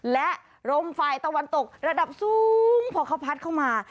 และลมฝ่ายตะวันตกระดับสูงพอเขาพัดเข้ามา